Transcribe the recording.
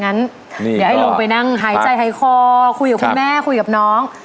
เดี๋ยวให้ลงไปนั่งหายใจหายคอคุยกับคุณแม่คุยกับน้อง